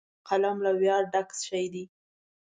قلم له ویاړه ډک شی دی